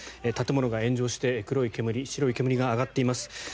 建物が炎上して黒い煙、白い煙が上がっています。